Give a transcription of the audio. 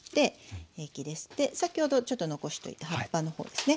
で先ほどちょっと残しておいた葉っぱの方ですね。